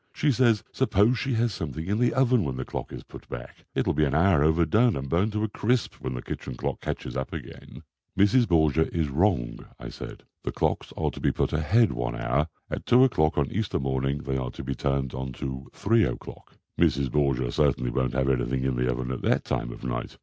She says suppose she has something in the oven when the clock is put back, it will be an hour overdone and burned to a crisp when the kitchen clock catches up again." "Mrs. Borgia is wrong," I said. "The clocks are to be put ahead one hour. At 2 o'clock on Easter morning they are to be turned on to 3 o'clock. Mrs. Borgia certainly won't have anything in the oven at that time of night.